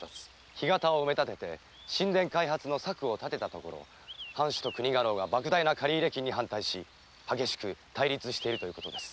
干潟を埋め立てて新田開発の策を立てたところ藩主と国家老が莫大な借入金に反対し激しく対立しているということです。